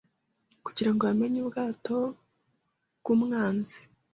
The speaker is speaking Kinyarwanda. kugirango bamenye ubwato bwumwanzi